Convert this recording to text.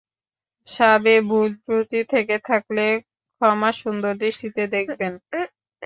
সাবে ভুল-ত্রুটি থেকে থাকলে ক্ষমাসুন্দর দৃষ্টিতে দেখবেন।